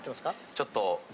ちょっと。